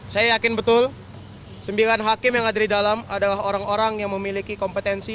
saya yakin betul sembilan hakim yang ada di dalam adalah orang orang yang memiliki kompetensi